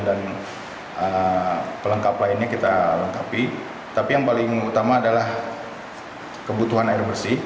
dan pelengkap lainnya kita lengkapi tapi yang paling utama adalah kebutuhan air bersih